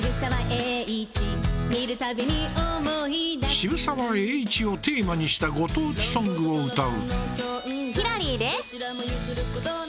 渋沢栄一をテーマにしたご当地ソングを歌う。